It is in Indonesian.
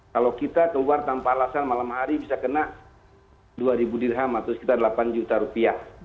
kalau kita keluar tanpa alasan malam hari bisa kena dua ribu dirham atau sekitar delapan juta rupiah